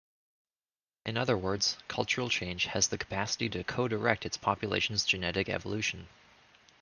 In other words, cultural change has the capacity to codirect its population's genetic evolution.